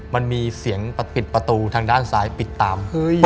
มันมีเสียงปิดประตูทางด้านซ้ายปิดตาม